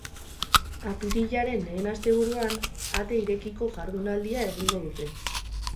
Apirilaren lehen asteburuan, ate irekiko jardunaldia egingo dute.